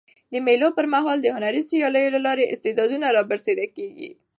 د مېلو پر مهال د هنري سیالیو له لاري استعدادونه رابرسېره کېږي.